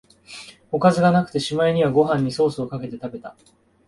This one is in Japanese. おかずがなくて、しまいにはご飯にソースかけて食べた